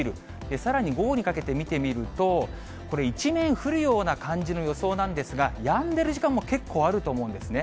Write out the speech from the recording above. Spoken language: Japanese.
さらに午後にかけて見てみると、これ、一面降るような感じの予想なんですが、やんでる時間も結構あると思うんですね。